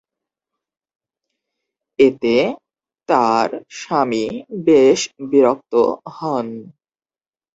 এতে তার স্বামী বেশ বিরক্ত হন।